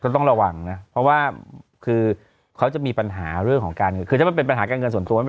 ต้องระวังนะเพราะว่าคือเขาจะมีปัญหาเรื่องของการเงินคือถ้ามันเป็นปัญหาการเงินส่วนตัวไม่